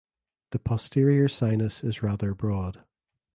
The posterior sinus is rather broad.